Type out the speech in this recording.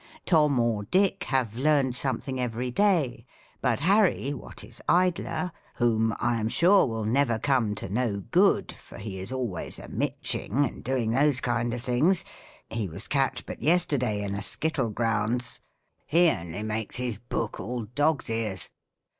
Tom or Dick have learned^ something every day but Harry what is idler, whom I am sure will never come to no good, for he is always a miching and doing those kind of things (he was catch but yesterday in a skittle grounds) he only makes his book all dog's ears.